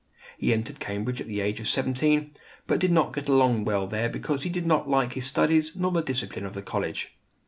He entered Cambridge at the age of seventeen; but did not get along well there because he did not like his studies nor the discipline of the college.